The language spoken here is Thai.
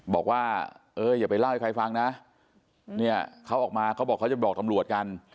บอกว่าเอออย่าไปเล่าให้ใครฟังนะเนี่ยเขาออกมาเขาบอกเขาจะบอกตำรวจกัน